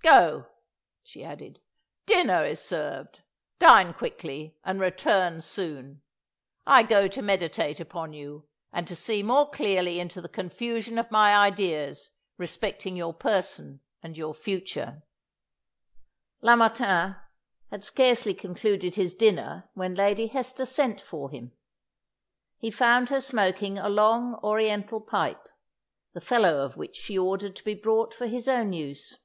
"Go," she added; "dinner is served. Dine quickly, and return soon. I go to meditate upon you, and to see more clearly into the confusion of my ideas respecting your person and your future." Lamartine had scarcely concluded his dinner when Lady Hester sent for him. He found her smoking a long Oriental pipe, the fellow of which she ordered to be brought for his own use.